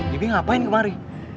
bibi ngapain kemari